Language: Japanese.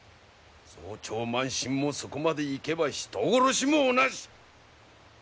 増長慢心もそこまでいけば人殺しも同じ！